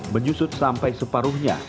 menyusut sampai separuhnya